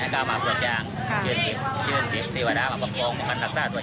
แค่ช้างอย่าเจ็บไกลแล้วป่วย